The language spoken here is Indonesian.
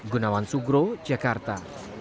gunawan sugro jakarta